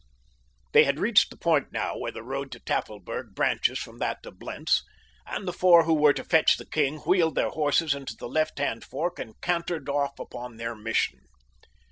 They had reached the point now where the road to Tafelberg branches from that to Blentz, and the four who were to fetch the king wheeled their horses into the left hand fork and cantered off upon their mission.